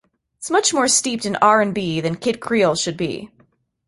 It's much more steeped in R and B than Kid Creole should be.